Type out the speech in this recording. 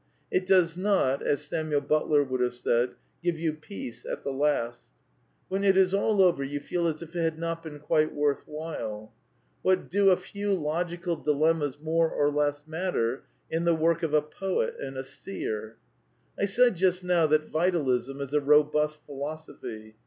It does not, as Samuel But ler would have said, give you " peace at the last." When it is all over you feel as if it had not been quite worth while. What do a few logical dilemmas more or less ^^,> ^'Tnatter in the work of a poet and a seer ? I said just now that Vitalism is a robust philosophy.